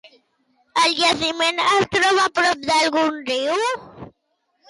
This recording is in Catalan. El jaciment es troba a prop d'algun riu?